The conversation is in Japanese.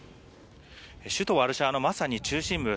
首都ワルシャワのまさに中心部